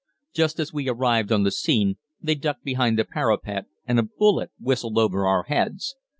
Just as we arrived on the scene, they ducked behind the parapet and a bullet whistled over our heads.